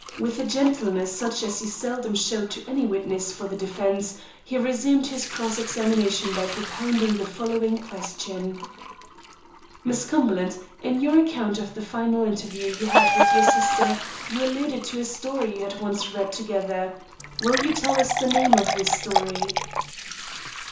With a gentleness such as he seldom showed to any witness for the defence, he resumed his cross examination by propounding the following question: "Miss Cumberland, in your account of the final interview you had with your sister, you alluded to a story you had once read together. Will you tell us the name of this story?"